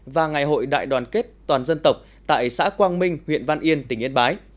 và ngày hội đại đoàn kết toàn dân tộc tại xã quang minh huyện văn yên tỉnh yên bái